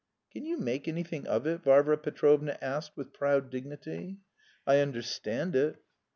"Can you make anything of it?" Varvara Petrovna asked with proud dignity. "I understand it...."